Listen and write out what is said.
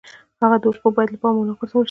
د هغه حقوق باید له پامه ونه غورځول شي.